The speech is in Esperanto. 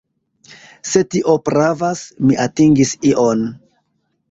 Se tio pravas, mi atingis ion.